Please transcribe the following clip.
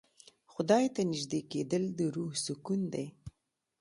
خدای ته نژدې کېدل د روح سکون دی.